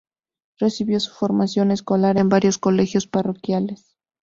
Recibió su formación escolar en varios colegios parroquiales.